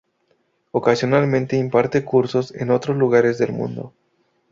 Ocasionalmente, imparte cursos en otros lugares del mundo.